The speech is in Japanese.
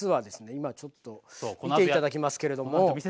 今ちょっと見て頂きますけれども。